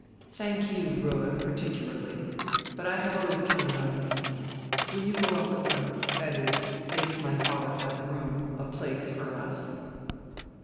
Thank you, Rhoda, particularly. But I have always counted on you. Will you go up with her? That is if if my father has a room, a place, for us."